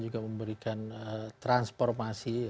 juga memberikan transformasi